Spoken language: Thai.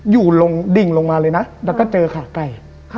อยู่ลงดิ่งลงมาเลยนะแล้วก็เจอขาไก่